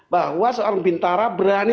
bahwa seorang pintara berani